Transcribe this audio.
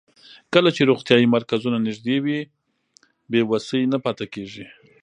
کله چې روغتیايي مرکزونه نږدې وي، بې وسۍ نه پاتې کېږي.